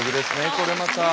これまた。